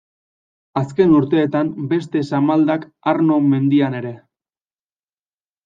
Azken urtetan beste samaldak Arno mendian ere.